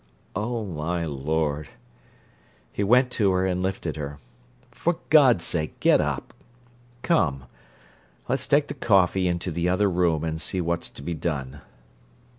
"Oh, my Lord!" He went to her, and lifted her. "For God's sake, get up! Come, let's take the coffee into the other room, and see what's to be done."